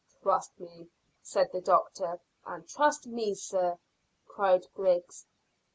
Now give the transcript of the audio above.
"Trust me," said the doctor. "And trust me, sir," cried Griggs.